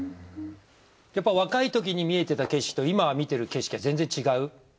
やっぱ若いときに見えてた景色と今見てる景色は全然違う？